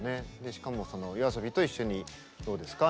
しかも「ＹＯＡＳＯＢＩと一緒にどうですか？」